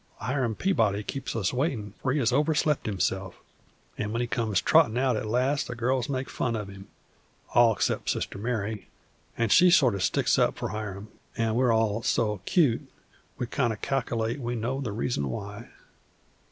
Hiram Peabody keeps us waitin', for he has overslept himself, an' when he comes trottin' out at last the girls make fun of him, all except Sister Mary, an' she sort o' sticks up for Hiram, an' we're all so 'cute we kind o' calc'late we know the reason why.